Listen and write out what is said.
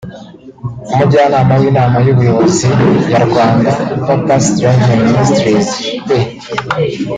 umujyanama w’inama y’ubuyobozi ya Rwanda Purpose Driven Ministries/P